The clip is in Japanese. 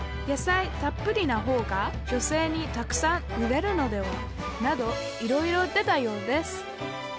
「野菜たっぷりな方が女性にたくさん売れるのでは」などいろいろ出たようです